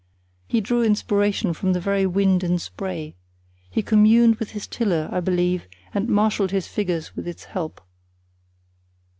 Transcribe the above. He drew inspiration from the very wind and spray. He communed with his tiller, I believe, and marshalled his figures with its help.